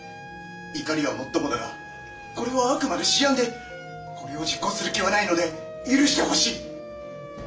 怒りはもっともだがこれはあくまで私案でこれを実行する気はないので許してほしい！